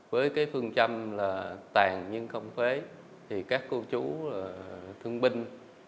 với cái phương châm là tàn nhưng không phế thì các cô chú là thương binh